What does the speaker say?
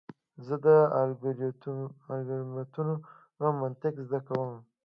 زه د الگوریتمونو منطق زده کوم.